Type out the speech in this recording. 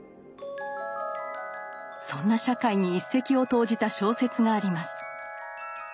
そんな社会に一石を投じた小説があります。